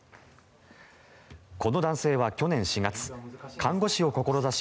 この男性は去年４月看護師を志し